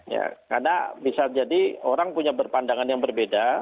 ya karena bisa jadi orang punya berpandangan yang berbeda